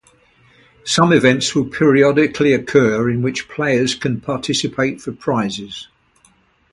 Some events will periodically occur in which players can participate for prizes.